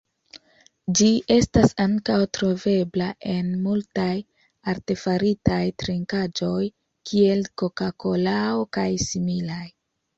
Ĝi estas ankaŭ trovebla en multaj artefaritaj trinkaĵoj, kiel koka-kolao kaj similaj.